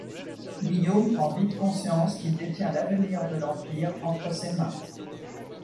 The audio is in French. Guillaume prend vite conscience qu'il détient l'avenir de l'empire entre ses mains.